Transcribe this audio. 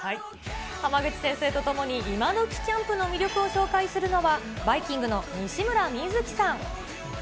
濱口先生と共にイマドキキャンプの魅力を紹介するのは、バイきんぐの西村瑞樹さん。